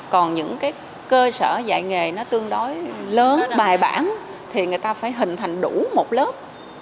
còn những cái cơ sở dạy nghề nó tương đối lớn bài bản thì người ta phải hình thành đủ một lớp